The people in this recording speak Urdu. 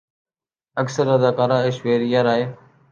اکثر اداکارہ ایشوریا رائے